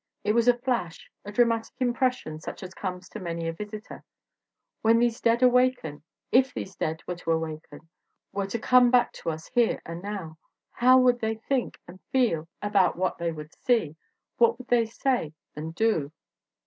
It was a flash, a dramatic impression such as comes to many a visitor. When these dead awaken! // these dead were to awaken, were to come back to us here and now ! How would they think and feel about what they would see? What would they say and do?